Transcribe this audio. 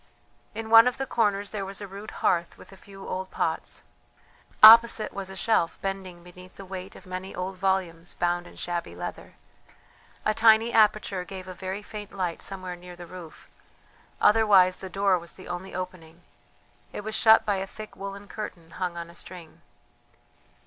In one of the corners there was a rude hearth with a few old pots; opposite was a shelf bending beneath the weight of many old volumes bound in shabby leather; a tiny aperture gave a very faint light somewhere near the roof, otherwise the door was the only opening; it was shut by a thick woollen curtain hung on a string.